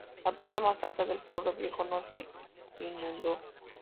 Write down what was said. La parte más alta del pueblo viejo no se inundó.